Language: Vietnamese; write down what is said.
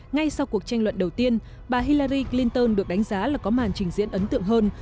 ngay sau cuộc tranh luận đầu tiên bà hillary clinton được đánh giá là có màn trình diễn ấn tượng hơn